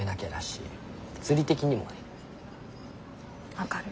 分かる。